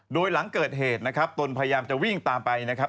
โดยหลังเกิดเหตุนะครับตนพยายามจะวิ่งตามไปนะครับ